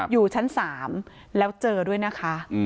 อยู่ชั้น๓แล้วเจอด้วยนะคะ